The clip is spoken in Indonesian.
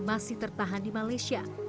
masih tertahan di malaysia